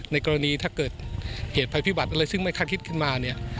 กรณีถ้าเกิดเหตุภัยพิบัติอะไรซึ่งไม่คาดคิดขึ้นมาเนี่ย